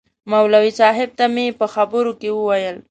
مولوي صاحب ته مې په خبرو کې ویل.